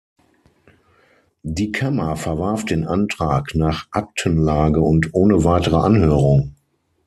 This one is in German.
Die Kammer verwarf den Antrag nach Aktenlage und ohne weitere Anhörung.